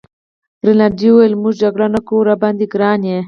رینالډي وویل: موږ جګړه نه کوو، راباندي ګران يې.